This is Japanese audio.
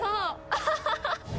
アハハハッ！